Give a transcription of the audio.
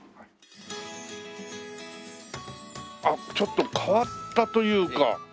あっちょっと変わったというか。